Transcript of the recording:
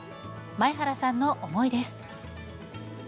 前原さんの思いです。